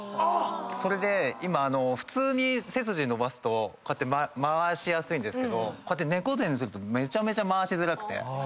それで今普通に背筋伸ばすと回しやすいんですけどこうやって猫背にするとめちゃめちゃ回しづらくて。